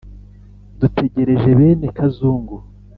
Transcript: dutegereje bene kazungu.